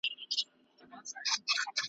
بد نومونه تر قیامته پاته کیږي .